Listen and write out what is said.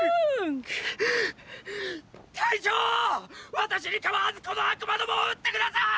私にかまわずこの悪魔どもを撃って下さい！！